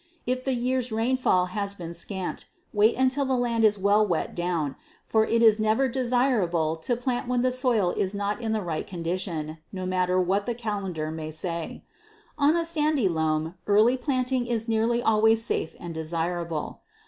If the year's rainfall has been scant, wait until the land is well wet down, for it is never desirable to plant when the soil is not in the right condition, no matter what the calendar may say. On a sandy loam early planting is nearly always safe and desirable.